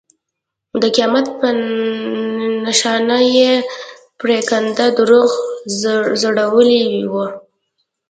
د قیامت په نښانه یې پرېکنده دروغ ځړولي وو.